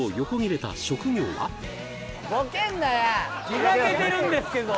ふざけてるんですけど！